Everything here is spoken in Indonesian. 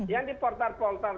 yang di portal portal